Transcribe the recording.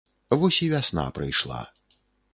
Вось і вясна прыйшла.